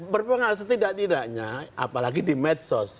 berpengaruh setidak tidaknya apalagi di medsos